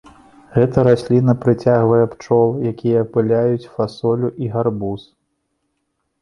Гэта расліна прыцягвае пчол, якія апыляюць фасолю і гарбуз.